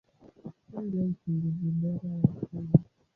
Hii ndio uchunguzi bora wa pumu.